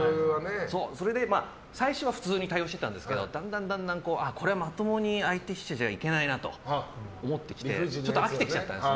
それで、最初は普通に対応してたんですけどだんだん、これはまともに相手してちゃいけないなと思ってきてちょっと飽きてきちゃったんです